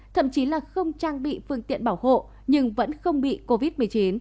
thậm chí là không trang bị phương tiện bảo hộ nhưng vẫn không bị covid một mươi chín